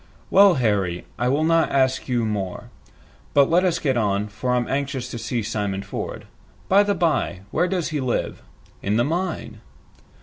"Well, Harry, I will not ask you more. But let us get on, for I'm anxious to see Simon Ford. By the bye, where does he live?" "In the mine."